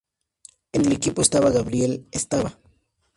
En el equipo estaba Gabriel Estaba.